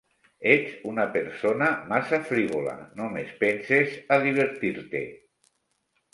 Ets una persona massa frívola, només penses a divertir-te.